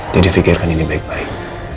jadi pikirkan ini baik baik